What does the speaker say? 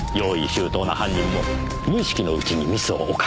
周到な犯人も無意識のうちにミスを犯した。